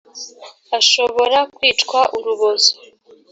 ashobora kwicwa urubozo.